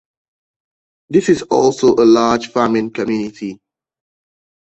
This is also a large farming community.